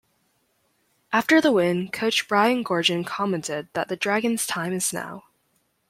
After the win coach Brian Goorjian commented that The Dragons' time is now.